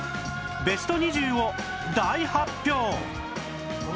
ベスト２０を大発表！